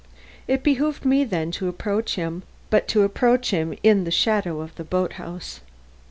It behooved me then to approach him, but to approach him in the shadow of the boat house.